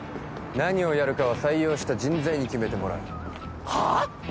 何をやるかは採用した人材に決めてもらうはっ？